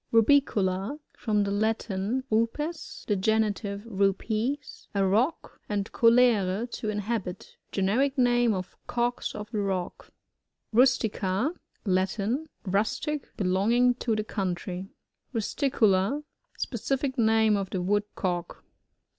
RuPiooLA. — From the Latin, rupes^ (in the genitive, rujdi,) a rock, and coUre, to inhabit. €reneric name of Cocks of the Rock. RusTiCA. — ^Latin. Rustic » belong ing to the country. RusncoLA. — Specific name of Uie Woodcock.